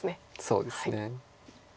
そうですね。